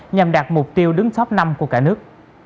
nhằm đạt mục tiêu đứng top năm của cả nước